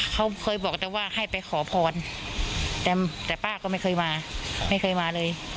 เขาเคยบอกแต่ว่าให้ไปขอพรแต่ป้าก็ไม่เคยมาไม่เคยมาเลย